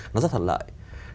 nó rất thật lợi